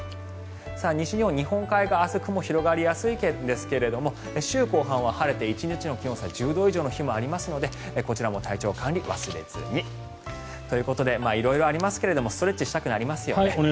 西日本、日本海側明日は雲が広がりやすいんですが週後半は晴れて１日の気温差が１０度以上の日もありますのでこちらも体調管理忘れずに。ということで、色々ありますがストレッチしたくなりますよね。